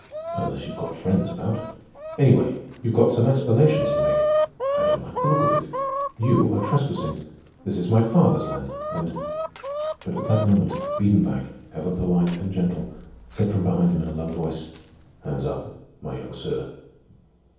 "Unless you've got friends about. Anyway, you've got some explanations to make. I don't like the look of it. You are trespassing. This is my father's land, and—" But at that moment, Biedenbach, ever polite and gentle, said from behind him in a low voice, "Hands up, my young sir."